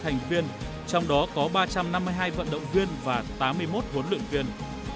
hai mươi ba thành viên trong đó có ba trăm năm mươi hai vận động viên và tám mươi một huấn luyện viên